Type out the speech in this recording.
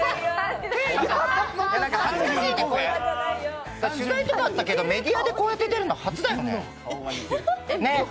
恥ずかしいね、メディアでこうやって出るの初だよね？